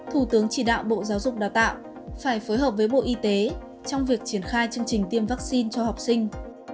thủ tướng chỉ đạo bộ giáo dục đào tạo phải phối hợp với bộ y tế trong việc triển khai chương trình tiêm vaccine cho học sinh